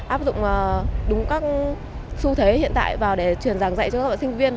áp dụng đúng các xu thế hiện tại vào để truyền giảng dạy cho các sinh viên